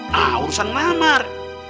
nah urusan namar